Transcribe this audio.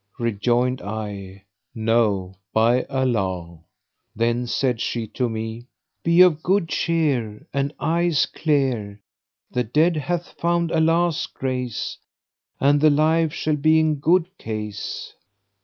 Rejoined I, No, by Allah!" Then said she to me, "Be of good cheer and eyes clear; the dead hath found Allah's grace, and the live shall be in good case.